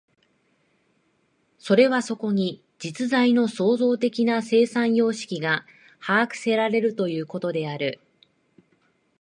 それはそこに実在の創造的な生産様式が把握せられるということである。